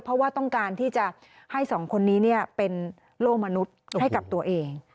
เพราะว่าต้องการที่จะให้สองคนนี้เป็นโลกมนุษย์ให้กับตัวเอง